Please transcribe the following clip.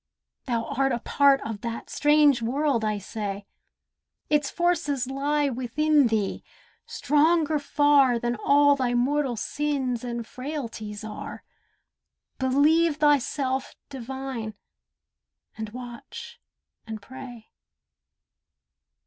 Thou art a part of that strange world, I say. Its forces lie within thee, stronger far Than all thy mortal sins and frailties are, Believe thyself divine, and watch, and pray.